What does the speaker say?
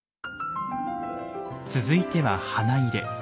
続いては花入。